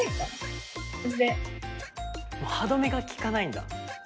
歯止めがきかないんだ。